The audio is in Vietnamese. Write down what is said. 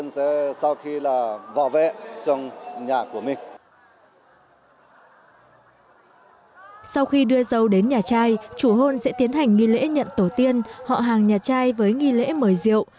sau khi đưa dâu đến nhà trai chủ hôn sẽ tiến hành nghi lễ nhận tổ tiên họ hàng nhà trai với nghi lễ mời diệu